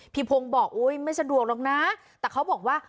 พงศ์บอกอุ๊ยไม่สะดวกหรอกนะแต่เขาบอกว่า